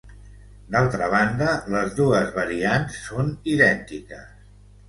D'altra banda, les dues variants són idèntiques.